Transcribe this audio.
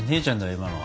今のは。